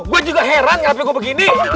gue juga heran ngabin gue begini